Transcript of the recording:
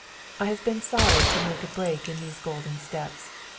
I have been sorry to make a break in these golden steps.